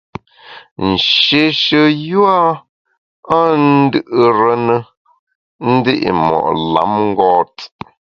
Nshéshe yua a ndù’re ne ndi’ mo’ lamngôt.